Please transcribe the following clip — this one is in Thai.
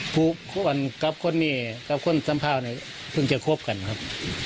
ผู้คนกับคนนี้กับคนสัมภาวเนี่ยเพิ่งจะคบกันครับ